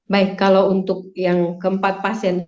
baik kalau untuk yang keempat pasien